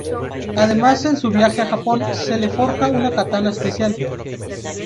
Además en su viaje a Japón se le forja una katana especial.